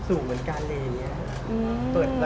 ปรูดราคาได้ไหมคะ